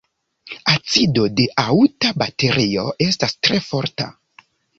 Acido de aŭta baterio estas tre forta.